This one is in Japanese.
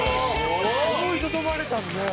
思いとどまれたんで。